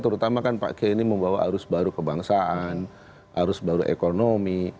terutama kan pak kiai ini membawa arus baru kebangsaan arus baru ekonomi